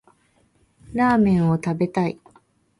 ラーメンを食べたい